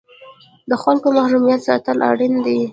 د خلکو محرمیت ساتل اړین دي؟